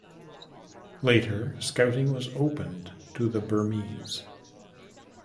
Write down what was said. Later, Scouting was opened to the Burmese.